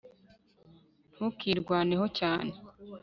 ntukirwaneho cyane